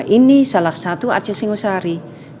ini salah satu arca singosari